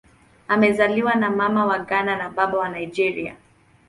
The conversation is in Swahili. Amezaliwa na Mama wa Ghana na Baba wa Nigeria.